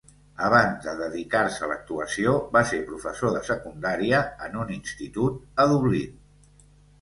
Abans de dedicar-se a l'actuació va ser professor de secundària en un institut a Dublín.